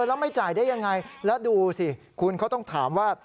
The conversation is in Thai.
แล้วไม่จ่ายได้ยังไงแล้วดูสิคุณเขาต้องถามว่า